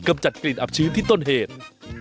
จัดกลิ่นอับชื้นที่ต้นเหตุ